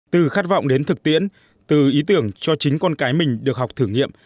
từ khát vọng đến thực tiễn từ ý tưởng cho chính con cái mình được học thử nghiệm